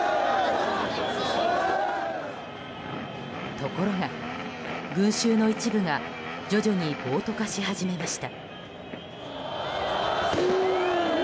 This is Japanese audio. ところが、群衆の一部が徐々に暴徒化し始めました。